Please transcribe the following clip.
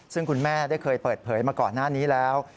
ซึ่งคุณแม่ได้เคยเปิดเผยมาก่อนหน้านี้แล้ว